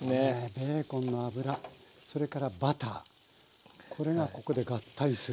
ベーコンの脂それからバターこれがここで合体する。